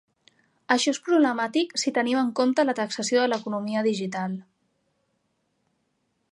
Això és problemàtic si tenim en compte la taxació de l"Economia digital.